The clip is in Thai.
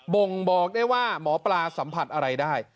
่งบอกได้ว่าหมอปลาสัมผัสอะไรได้